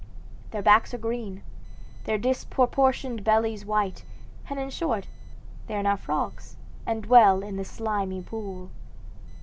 Their backs are green, their disproportioned bellies white, and in short they are now frogs, and dwell in the slimy pool."